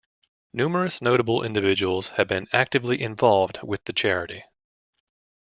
Numerous notable individuals have been actively involved with the charity.